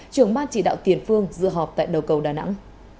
trưởng ban chỉ đạo tiền phương dự họp tại đầu cầu đà nẵng